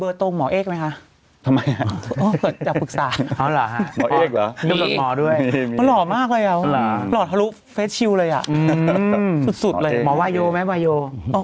โรงทะเบียนไวว่ะไหมไวว่ะไหม